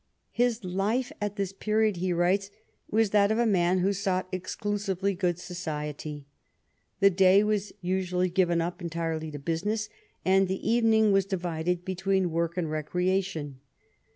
His life at this period, he writes, " was that of a ma,n who sought exclusively good society. The day was usually given entirely up to business, and the evening was divided between work and recreation.